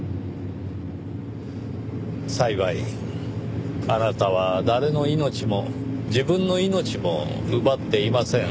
幸いあなたは誰の命も自分の命も奪っていません。